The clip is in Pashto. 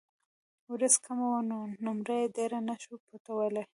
وريځ کمه وه نو نمر يې ډېر نۀ شو پټولے ـ